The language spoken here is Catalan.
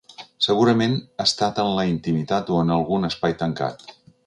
Segurament ha estat en la intimitat o en algun espai tancat.